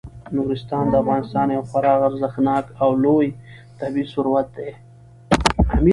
نورستان د افغانستان یو خورا ارزښتناک او لوی طبعي ثروت دی.